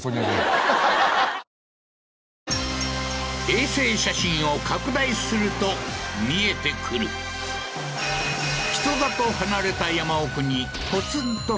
衛星写真を拡大すると見えてくる人里離れた